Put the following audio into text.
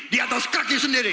di atas kaki sendiri